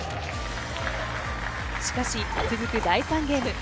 しかし、続く第３ゲーム。